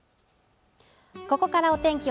ここからお天気